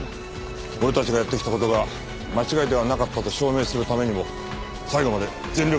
俺たちがやってきた事が間違いではなかったと証明するためにも最後まで全力でやりきろう。